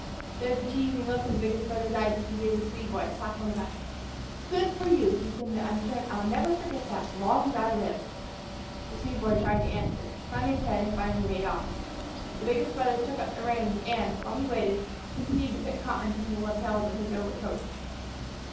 There was a teasing look in the biggest brother's eyes as he gave the Swede boy a slap on the back. "Good for you!" he said in an undertone; "I'll never forget that, long 's I live." The Swede boy tried to answer, hung his head, and finally made off. The biggest brother took up the reins and, while he waited, continued to pick cotton from the lapels of his overcoat.